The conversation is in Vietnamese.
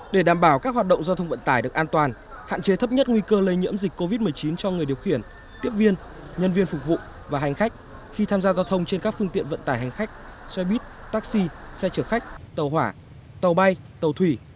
để đảm bảo các hoạt động giao thông vận tải được an toàn hạn chế thấp nhất nguy cơ lây nhiễm dịch covid một mươi chín cho người điều khiển tiếp viên nhân viên phục vụ và hành khách khi tham gia giao thông trên các phương tiện vận tải hành khách xe buýt taxi xe chở khách tàu hỏa tàu bay tàu thủy